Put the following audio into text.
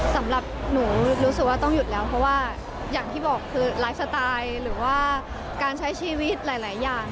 สำหรับหนูรู้สึกว่าต้องหยุดแล้วเพราะว่าอย่างที่บอกคือไลฟ์สไตล์หรือว่าการใช้ชีวิตหลายอย่าง